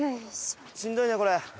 しんどいねこれ。